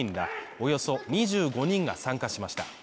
およそ２５人が参加しました。